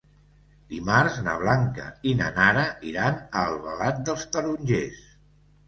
Dimarts na Blanca i na Nara iran a Albalat dels Tarongers.